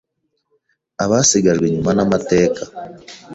“Abasigajwe inyuma n’amateka